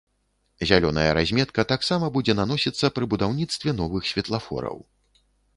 Зялёная разметка таксама будзе наносіцца пры будаўніцтве новых светлафораў.